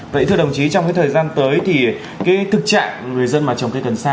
vậy thưa đồng chí trong cái thời gian tới thì cái thực trạng người dân mà trồng cây cần sa